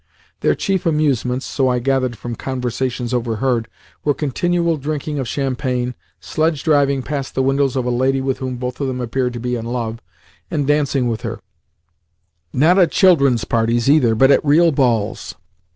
Their chief amusements (so I gathered from conversations overheard) were continual drinking of champagne, sledge driving past the windows of a lady with whom both of them appeared to be in love, and dancing with her not at children's parties, either, but at real balls!